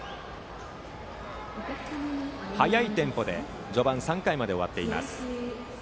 速いテンポで序盤、３回まで終わっています。